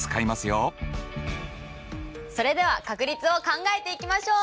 それでは確率を考えていきましょう！